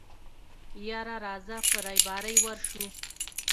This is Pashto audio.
يره راځه په رېبارۍ ورشو.